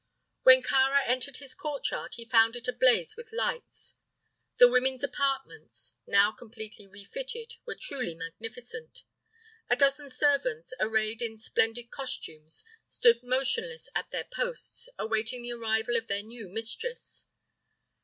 When Kāra entered his courtyard he found it ablaze with lights. The women's apartments, now completely refitted, were truly magnificent. A dozen servants, arrayed in splendid costumes, stood motionless at their posts, awaiting the arrival of their new mistress.